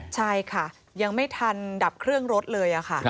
ใช่ค่ะยังไม่ทันดับเครื่องรถเลยค่ะ